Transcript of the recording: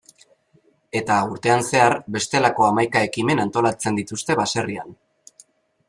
Eta urtean zehar, bestelako hamaika ekimen antolatzen dituzte baserrian.